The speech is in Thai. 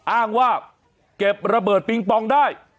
อ้างว่าเก็บระเบิดปิงปองได้